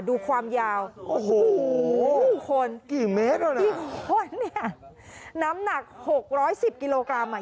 ดูความยาวโอ้โหคนกี่เมตรแล้วนะกี่คนเนี่ยน้ำหนักหกร้อยสิบกิโลกรัมอ่ะ